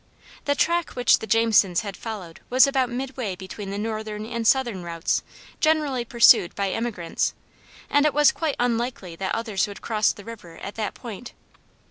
The track which the Jamesons had followed was about midway between the northern and southern routes generally pursued by emigrants, and it was quite unlikely that others would cross the river at that point.